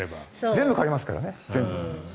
全部変わりますからね。